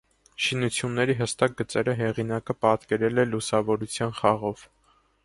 Շինությունների հստակ գծերը հեղինակը պատկերել է լուսավորության խաղով։